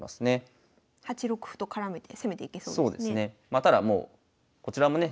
まあただもうこちらもね